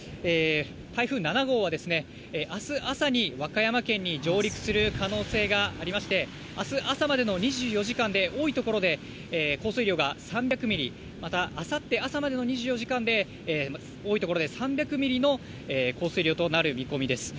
台風７号は、あす朝に和歌山県に上陸する可能性がありまして、あす朝までの２４時間で多い所で、降水量が３００ミリ、またあさって朝までの２４時間で、多い所で３００ミリの降水量となる見込みです。